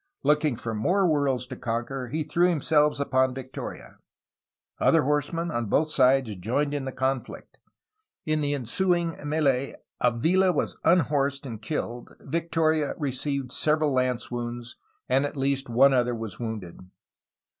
Looking for more worlds to conquer he threw himself upon Victoria. Other horsemen on both sides joined in the con flict. In the ensuing mel^e Avila was unhorsed and killed, Victoria received several lance wounds, and at least one other was wounded.